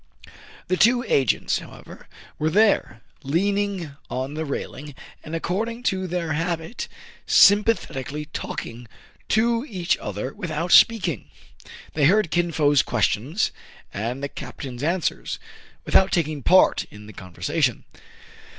The two agents, however, were there, leaning on the railing, and, according to their habit, sym pathetically talking to each other without speaking. They heard Kin Fo's questions and the captain's answers, without taking part in the conversation.